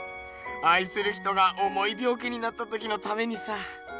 あいする人がおもいびょう気になったときのためにさ。